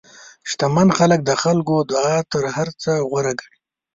شتمن خلک د خلکو دعا تر هر څه غوره ګڼي.